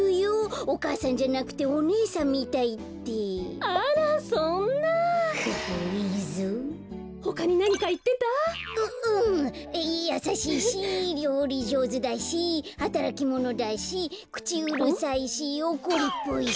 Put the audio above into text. やさしいしりょうりじょうずだしはたらきものだしくちうるさいしおこりっぽいし。